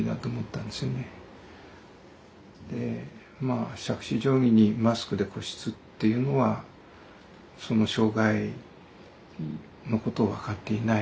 まあしゃくし定規にマスクで個室っていうのはその障害のことを分かっていないと思ったんですよね。